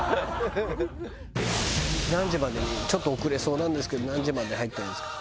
「何時までにちょっと遅れそうなんですけど何時までに入ったらいいですか？」。